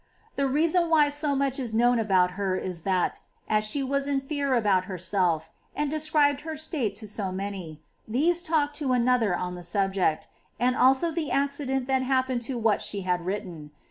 17. The reason why so much is known about her is that, as she was in fear about herself, and described her state to so many, these talked to one another on the subject, and also the accident that happened to what she had written.